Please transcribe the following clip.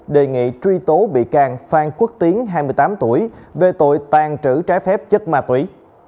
đề nghị truy tố bị can phan quốc tiến hai mươi tám tuổi về tội tàn trữ trái phép chất ma túy